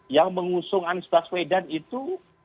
yang mengusung anies baswedan itu